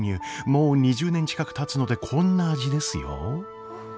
もう２０年近くたつのでこんな味ですよ。